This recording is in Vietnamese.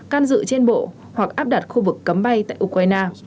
can dự trên bộ hoặc áp đặt khu vực cấm bay tại ukraine